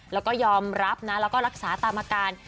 แล้วก็ยอมรับนะแล้วก็รักษาตามอาการ